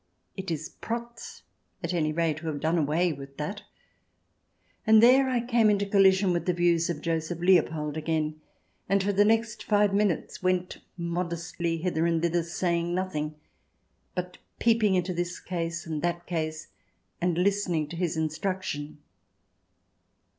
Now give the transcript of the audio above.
It is " Prots," at any rate, who have done away with that. And there I came into collision with the views of Joseph Leopold CH.xi] LANDGRAFIN AND CONFESSOR 159 again, and for the next five minutes went modestly hither and thither, saying nothing, but peeping into this case and that case, and listening to his instruction.